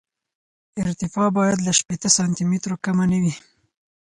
ارتفاع باید له شپېته سانتي مترو کمه نه وي